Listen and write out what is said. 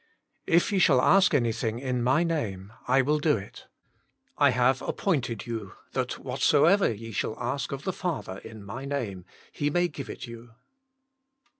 If ye shall ask anything in My Name, I will do it. I have appointed you, that whatsoever ye shall ask of the Father in My Name, He may give it you.